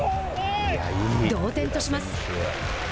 同点とします。